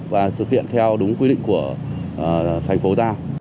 và xử thiện theo đúng quy định của thành phố ra